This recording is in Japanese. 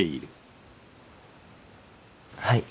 はい。